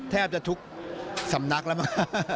แทบจะทุกสำนักแล้วมั้ง